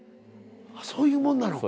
そういうもんなの？